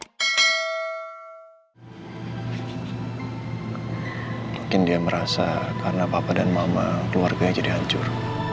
mungkin dia merasa karena papa dan mama keluarganya jadi hancur